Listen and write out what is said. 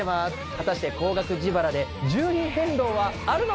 果たして高額自腹で順位変動はあるのか？